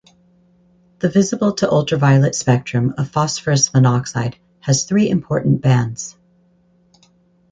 The visible to ultraviolet spectrum of phosphorus monoxide has three important bands.